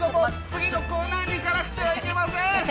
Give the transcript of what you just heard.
「次のコーナーにいかなくてはいけません！」